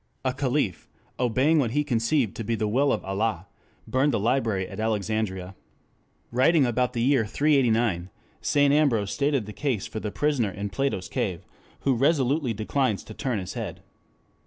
A caliph, obeying what he conceived to be the Will of Allah, burned the library at Alexandria. Writing about the year 389, St. Ambrose stated the case for the prisoner in Plato's cave who resolutely declines to turn his head.